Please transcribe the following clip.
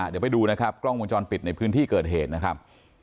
เดี๋ยวไปดูนะครับกล้องวงจรปิดในพื้นที่เกิดเหตุนะครับ